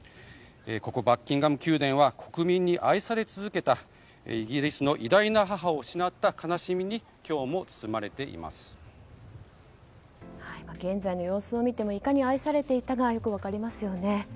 ここバッキンガム宮殿は国民に愛され続けたイギリスの偉大な母を失った悲しみに現在の様子を見てもいかに愛されていたかがよく分かりますよね。